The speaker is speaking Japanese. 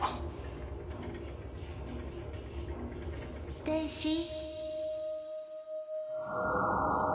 ステイシー。